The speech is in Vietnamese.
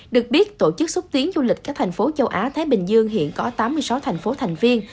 được biết tổ chức xúc tiến du lịch các thành phố châu á thái bình dương hiện có tám mươi sáu thành phố thành viên